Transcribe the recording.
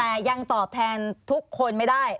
แต่ยังตอบแทนทุกคนไม่ได้